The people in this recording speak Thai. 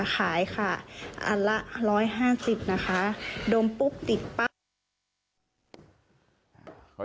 ขายค่ะอันละ๑๕๐นะคะดมปุ๊บติดปั๊บ